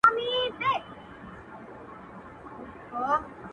ما وېشلي هر یوه ته اقلیمونه-